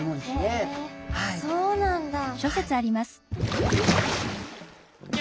へえそうなんだ。